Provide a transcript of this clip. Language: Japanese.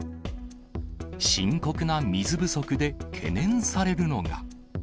深刻な水不足で懸念されるのが。